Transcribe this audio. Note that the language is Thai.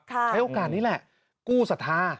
ใช้โอกาสนี้แหละกู้สถา